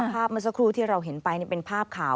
เมื่อสักครู่ที่เราเห็นไปเป็นภาพข่าว